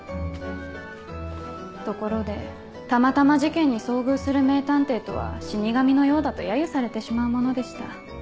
ところでたまたま事件に遭遇する名探偵とは死に神のようだと揶揄されてしまうものでした。